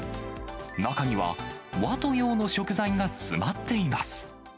中には、和と洋の食材が詰まっています。